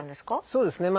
そうですね。